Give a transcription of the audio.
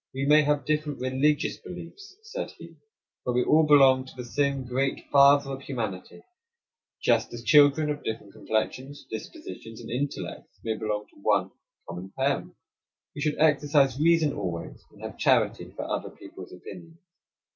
"We may have different religious beliefs," said he, "but we all belong to the same great father of humanity; just as children of different complexions, dispositions, and intellects may belong to one common parent. We should exercise reason always, and have charity for other people's opinions."